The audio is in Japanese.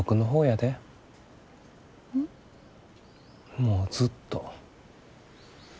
もうずっと。